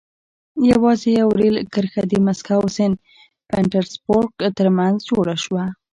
یوازې یوه رېل کرښه د مسکو سن پټزربورګ ترمنځ جوړه شوه.